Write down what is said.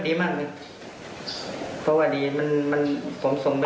ก็สมมุติเอาผนมมา๗๐ปอนด์